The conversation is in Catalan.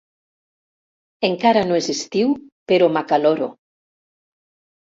Encara no és estiu, però m'acaloro.